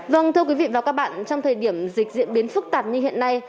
vâng thưa quý vị và các bạn trong thời điểm dịch diễn biến phức tạp như hiện nay